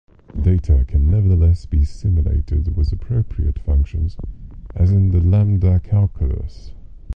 Data can nevertheless be simulated with appropriate functions as in the lambda calculus.